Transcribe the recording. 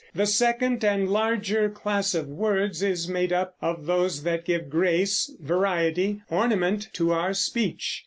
The second and larger class of words is made up of those that give grace, variety, ornament, to our speech.